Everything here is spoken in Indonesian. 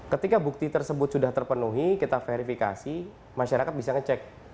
ketika bukti tersebut sudah terpenuhi kita verifikasi masyarakat bisa ngecek